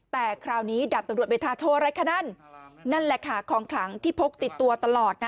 แต่คราวนี้ดาบตำรวจเมธาโชว์อะไรคะนั่นนั่นแหละค่ะของขลังที่พกติดตัวตลอดนะ